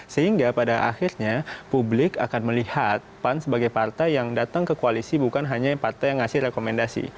sehingga pada akhirnya publik akan melihat pan sebagai partai yang datang ke koalisi bukan hanya partai yang ngasih rekomendasi